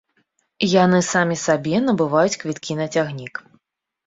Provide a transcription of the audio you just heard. Яны самі сабе набываюць квіткі на цягнік.